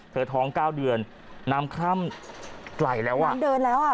ท้องเก้าเดือนน้ำคร่ำไกลแล้วอ่ะน้ำเดินแล้วอ่ะ